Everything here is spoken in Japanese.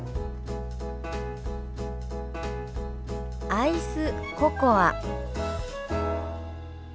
「アイスココア」。